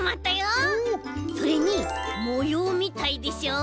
それにもようみたいでしょ？